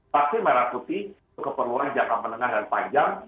vaksin merah putih keperluan jangka menengah dan panjang